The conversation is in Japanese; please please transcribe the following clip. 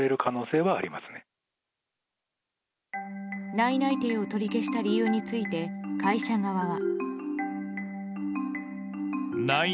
内々定を取り消した理由について会社側は。